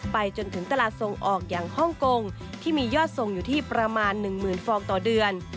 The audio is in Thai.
ไปจนถึงตลาดส่งออกอย่างฮ่องกงที่มียอดทรงอยู่ที่ประมาณ๑๐๐๐ฟองต่อเดือน